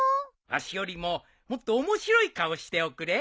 わしよりももっと面白い顔しておくれ。